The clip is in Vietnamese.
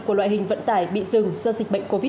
của loại hình vận tải bị dừng do dịch bệnh covid một mươi chín